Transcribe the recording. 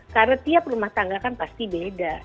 karena tiap rumah tangga kan pasti beda